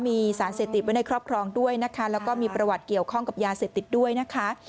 มีสารเสพติดไว้ในครอบครองด้วยนะคะแล้วก็มีประวัติเกี่ยวข้องกับยาเสพติดด้วยนะคะ